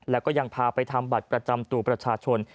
แล้วก็ยังพาไปทำบัตรประจำตัวประชาชน